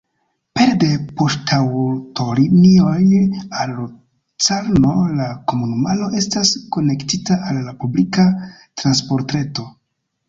Pere de poŝtaŭtolinioj al Locarno la komunumaro estas konektita al la publika transportreto.